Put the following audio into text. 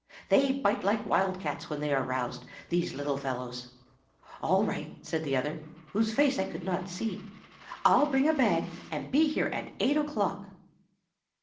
They bite like wild cats when they are roused, these little fellows.' "'All right!' said the other, whose face I could not see. 'I'll bring a bag and be here at eight o'clock.